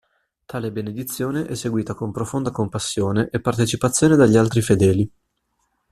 Tale Benedizione è seguita con profonda compassione e partecipazione dagli altri fedeli.